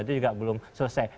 itu juga belum selesai